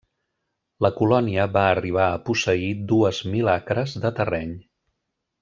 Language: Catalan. La colònia va arribar a posseir dues mil acres de terreny.